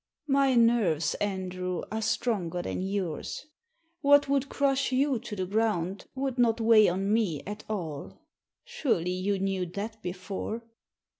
"My nerves, Andrew, are stronger than yours. What would crush you to the ground would not weigh on me at all. Surely you knew that before."